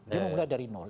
dia memulai dari nol